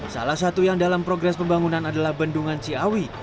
salah satu yang dalam progres pembangunan adalah bendungan ciawi